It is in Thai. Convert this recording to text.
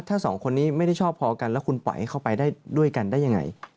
ถ้าสองคนนี้ไม่ได้ชอบพอกันแล้วคุณปล่อยให้เขาไปได้ด้วยกันได้ยังไง